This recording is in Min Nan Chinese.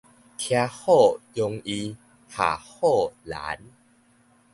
騎虎容易下虎難